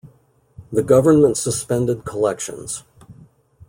The government suspended collections.